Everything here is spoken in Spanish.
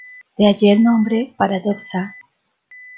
De allí el nombre "paradoxa".